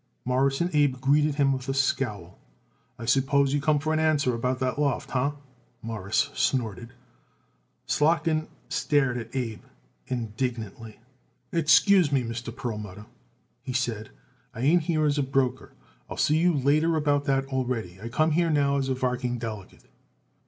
Morris and Abe greeted him with a scowl. "I suppose you come for an answer about that loft, huh?" Morris snorted. Slotkin stared at Abe indignantly. "Excuse me, Mr. Perlmutter," he said, "I ain't here as broker. I'll see you later about that already. I come here now as varking delegate."